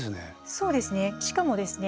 そうですね。